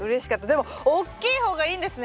でも大きい方がいいんですね。